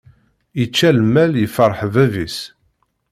Yečča lmal yefreḥ bab-is.